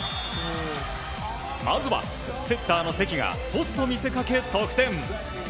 まずはセッターの関がトスと見せかけ得点。